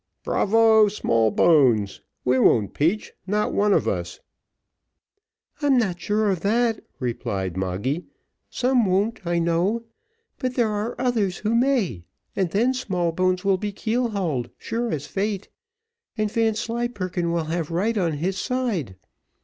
"Bravo, Smallbones, we won't peach not one of us." "I'm not sure of that," replied Moggy; "some won't, I know; but there are others who may, and then Smallbones will be keel hauled as sure as fate, and Vanslyperken will have right on his side.